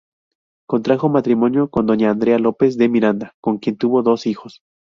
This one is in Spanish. Contrajo matrimonio con Doña Andrea López de Miranda, con quien tuvo dos hijos.